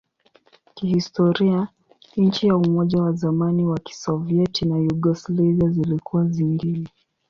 Kihistoria, nchi za Umoja wa zamani wa Kisovyeti na Yugoslavia zilikuwa zingine.